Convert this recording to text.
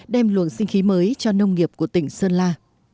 đem luồng sinh khí mới cho nông nghiệp của tỉnh sơn la